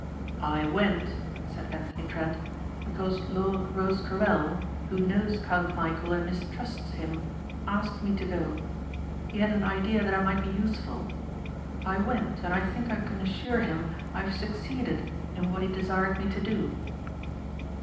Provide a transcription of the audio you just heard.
"I went," said Anthony Trent, "because Lord Rosecarrel, who knows Count Michæl and mistrusts him, asked me to go. He had an idea that I might be useful. I went and I think I can assure him I have succeeded in what he desired me to do."